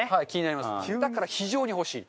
だから非常に欲しい。